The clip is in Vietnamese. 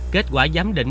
kết quả giám định